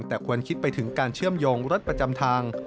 แต่ควรคิดไปถึงการเชื่อมโยงรถประจำทาง